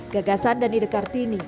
gagasan dan ide kartini